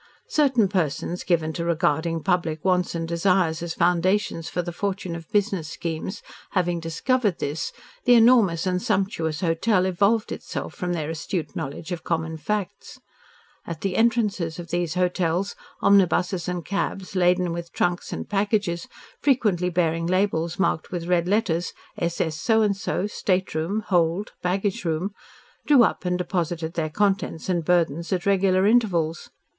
Certain persons given to regarding public wants and desires as foundations for the fortune of business schemes having discovered this, the enormous and sumptuous hotel evolved itself from their astute knowledge of common facts. At the entrances of these hotels, omnibuses and cabs, laden with trunks and packages frequently bearing labels marked with red letters "S. S. So and So, Stateroom Hold Baggage room," drew up and deposited their contents and burdens at regular intervals.